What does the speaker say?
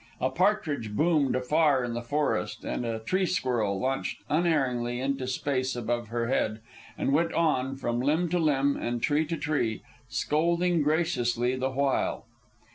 A partridge boomed afar in the forest, and a tree squirrel launched unerringly into space above her head, and went on, from limb to limb and tree to tree, scolding graciously the while.